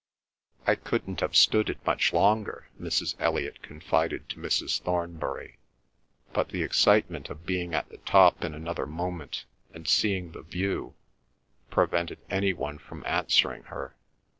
"I couldn't have stood it much longer," Mrs. Elliot confided to Mrs. Thornbury, but the excitement of being at the top in another moment and seeing the view prevented any one from answering her.